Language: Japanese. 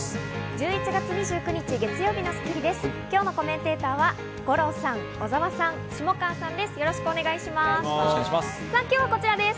１１月２９日、月曜日の『スッキリ』です。